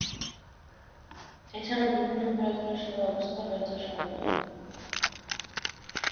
এছাড়াও বিভিন্ন খেলাধূলার সুব্যবস্থা রয়েছে শহরটিতে।